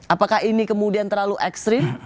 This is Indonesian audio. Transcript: apakah ini kemudian terlalu ekstrim